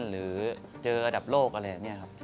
หรือเจออันดับโลกอะไรอย่างนี้ครับ